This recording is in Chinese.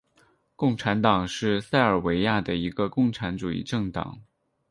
共产党是塞尔维亚的一个共产主义政党。